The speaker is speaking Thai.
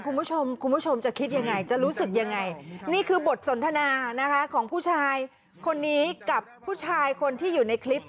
คุณผู้ชมคุณผู้ชมจะคิดยังไงจะรู้สึกยังไงนี่คือบทสนทนานะคะของผู้ชายคนนี้กับผู้ชายคนที่อยู่ในคลิป